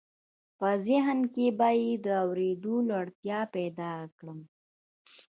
په ذهن کې به یې د اورېدو لېوالتیا پیدا کړم